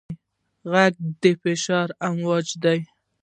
غږ د فشار امواج دي.